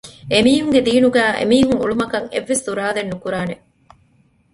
އެމީހުންގެ ދީނުގައި އެމިހުން އުޅުމަކަށް އެއްވެސް ތުރާލެއް ނުކުރާނެ